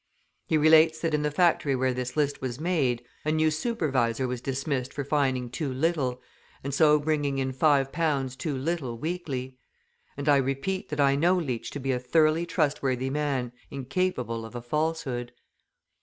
He relates that in the factory where this list was made, a new supervisor was dismissed for fining too little, and so bringing in five pounds too little weekly. {181b} And I repeat that I know Leach to be a thoroughly trustworthy man incapable of a falsehood.